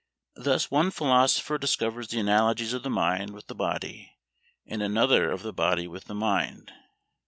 Thus one philosopher discovers the analogies of the mind with the body, and another of the body with the mind.